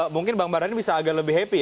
mungkin bang mardhani bisa agak lebih happy